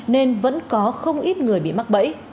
nên vẫn có không ít người bị mắc bẫy